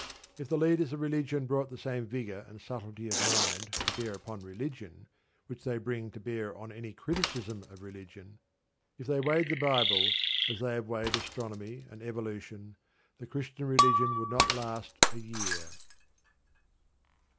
If the leaders of religion brought the same vigour and subtlety of mind to bear upon religion which they bring to bear upon any criticism of religion, if they weighed the Bible as they have weighed astronomy and evolution, the Christian religion would not last a year.